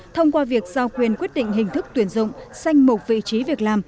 thông qua việc giao quyền quyết định hình thức tuyển dụng xanh một vị trí việc làm